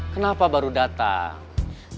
kenapa baru datang